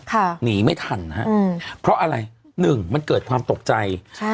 หนีไม่ทันฮะอืมเพราะอะไรหนึ่งมันเกิดความตกใจใช่